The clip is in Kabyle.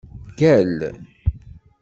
Gall!